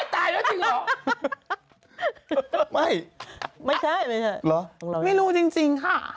ตายแล้วจริงหรอไม่ไม่ใช่ไม่รู้จริงค่ะ